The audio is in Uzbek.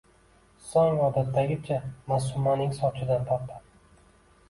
Soʼng odatdagicha, Maʼsumaning sochidan tortadi.